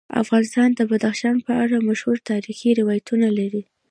افغانستان د بدخشان په اړه مشهور تاریخی روایتونه لري.